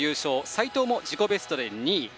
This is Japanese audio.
斎藤も自己ベストで２位。